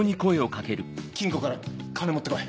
金庫から金持って来い。